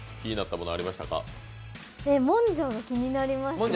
もんじゃが気になりましたね。